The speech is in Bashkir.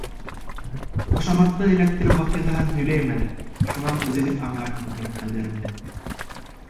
Ҡушаматты эләктереү ваҡиғаһын һөйләйем әле, шунан үҙегеҙ аңларһығыҙ минең хәлдәремде.